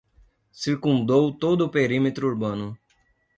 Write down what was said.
Circundou todo o perímetro urbano